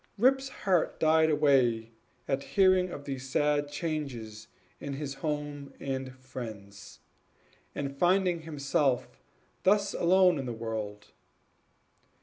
Rip's heart died away at hearing of these sad changes in his home and friends, and finding himself thus alone in the world.